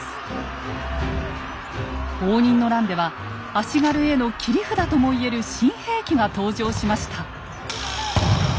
応仁の乱では足軽への切り札とも言える新兵器が登場しました。